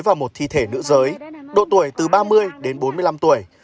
và một thi thể nữ giới độ tuổi từ ba mươi đến bốn mươi năm tuổi